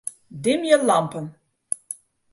Dimje lampen.